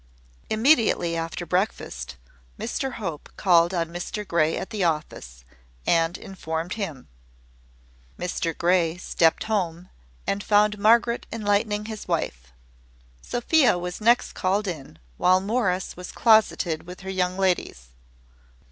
Immediately after breakfast, Mr Hope called on Mr Grey at the office, and informed him. Mr Grey stepped home, and found Margaret enlightening his wife. Sophia was next called in, while Morris was closeted with her young ladies.